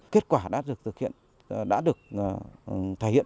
kết quả đã được thực hiện đã được thể hiện